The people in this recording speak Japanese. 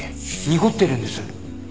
濁ってるんです